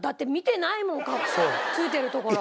ついてるところ。